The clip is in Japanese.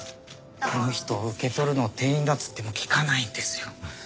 あの人受け取るの店員だって言っても聞かないんですよ。